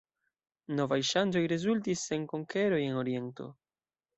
Novaj ŝanĝoj rezultis en konkeroj en oriento.